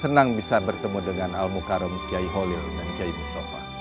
senang bisa bertemu dengan al mukarum kiai holil dan kiai mustafa